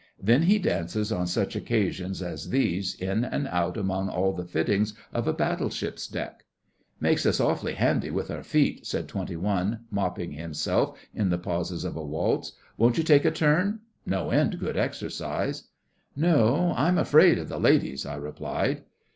Then he dances on such occasions as these, in and out among all the fittings of a battleship's deck. 'Makes us awfully handy with our feet,' said Twenty One, mopping himself in the pauses of a waltz. 'Won't you take a turn? No end good exercise.' 'No, I'm afraid of the ladies,' I replied.